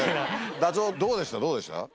ダチョウどうでしたどうでした？